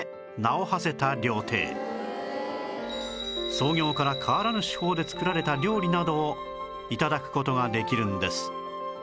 創業から変わらぬ手法で作られた料理などを頂く事ができるんです